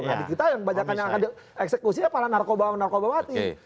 jadi kita yang banyak yang akan di eksekusinya para narkoba mati